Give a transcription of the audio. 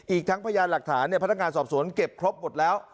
อีกทั้งพยานหลักฐานพนักงานสอบสวนเก็บครบหมดแล้ว